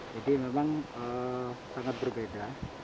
jadi memang sangat berbeda